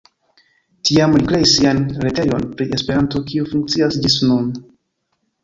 Tiam li kreis sian retejon pri Esperanto, kiu funkcias ĝis nun.